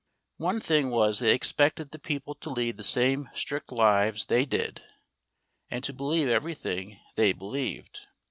One thing was they expected the people to lead the same strict lives they did, and to believe everything they believed.